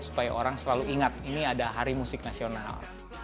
supaya orang selalu ingat ini ada hari musik nasional